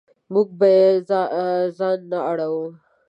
موږ به یې په ځان نه اړوو.